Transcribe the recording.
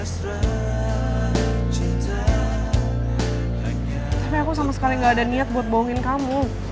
tapi aku sama sekali gak ada niat buat bohongin kamu